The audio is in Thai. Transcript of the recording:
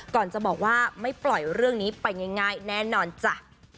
จะบอกว่าไม่ปล่อยเรื่องนี้ไปง่ายแน่นอนจ้ะ